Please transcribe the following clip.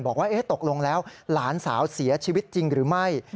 บอกว่าตกลงแล้วหลานสาวเสียชีวิตจริงหรือไม่